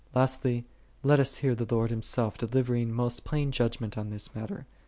Lastly, let us hear the Lord Himself delivering most plain judgment on this mat ter.